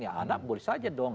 ya anak boleh saja dong